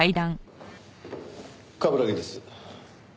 冠城です。